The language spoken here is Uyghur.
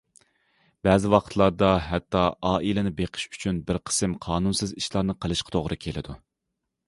بەزى ۋاقىتلاردا ھەتتا ئائىلىنى بېقىش ئۈچۈن بىر قىسىم قانۇنسىز ئىشلارنى قىلىشقا توغرا كېلىدۇ.